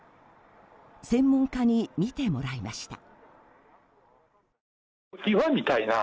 専門家に見てもらいました。